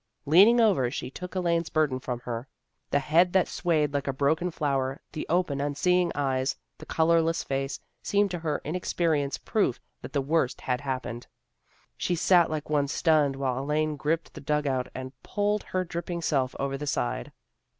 Leaning over, she took Elaine's burden from her. The head that swayed like a broken flower, the open, unseeing eyes, the colorless face, seemed to her inex perience proof that the worst had happened. She sat like one stunned while Elaine gripped the dug out and pulled her dripping self over the side.